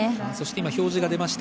表示が出ました。